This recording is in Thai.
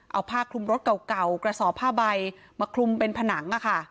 เอาผ้าคลุมรถเก่ากระสอบผ้าใบมาคลุมเป็นผนัง